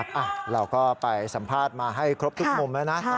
เราก็ไปสัมภาษณ์มาให้ครบทุกมุมแล้วนะ